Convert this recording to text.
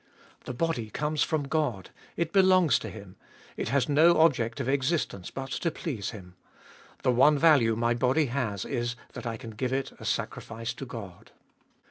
The body comes from God ; it belongs to Him ; it has no object of existence but to please Him. The one value My body has is, that I can give it a sacrifice to God.